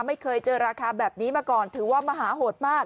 ไม่เคยเจอราคาแบบนี้มาก่อนถือว่ามหาโหดมาก